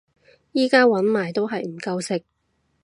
而家搵埋都真係唔夠食